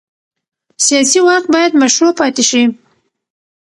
سیاسي واک باید مشروع پاتې شي